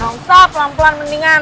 gak usah pelan pelan mendingan